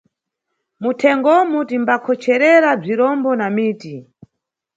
Muthengomu timbakhocherera bzirombo na miti.